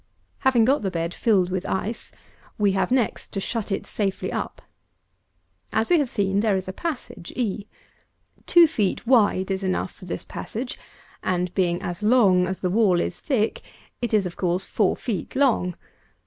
249. Having got the bed filled with ice, we have next to shut it safely up. As we have seen, there is a passage (e). Two feet wide is enough for this passage; and, being as long as the wall is thick, it is of course, four feet long.